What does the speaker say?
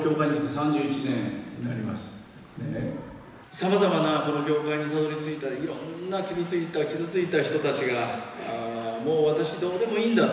さまざまなこの教会にたどりついたいろんな傷ついた傷ついた人たちがもう私どうでもいいんだ。